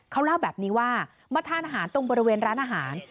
เขาเล่าแบบนี้ว่ามาทานอาหารตรงบริเวณร้านอาหาร